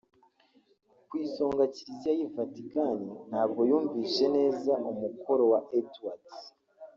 ku isonga Kiliziya y’i Vatican ntabwo yumvishe neza umukoro wa Edwards